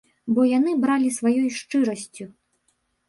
Бо яны бралі сваёй шчырасцю.